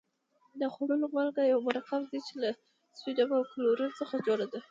د خوړلو مالګه یو مرکب دی چې له سوډیم او کلورین څخه جوړه ده.